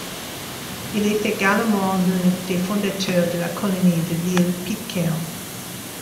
Il est également l'un des fondateurs de la colonie de l'île Pitcairn.